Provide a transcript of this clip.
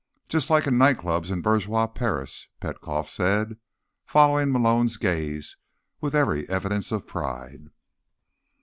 "Just like in night clubs in bourgeois Paris," Petkoff said, following Malone's gaze with every evidence of pride.